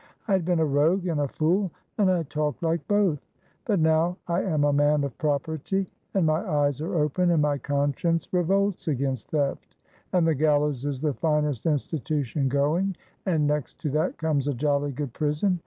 I had been a rogue and a fool, and I talked like both. But now I am a man of property, and my eyes are open and my conscience revolts against theft, and the gallows is the finest institution going, and next to that comes a jolly good prison.